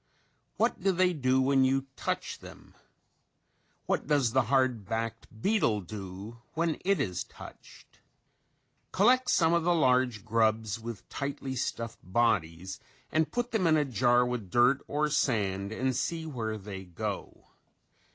What do they do when you touch them? What does the hard backed beetle do when it is touched? Collect some of the large grubs with tightly stuffed bodies and put them in a jar with dirt or sand and see where they go.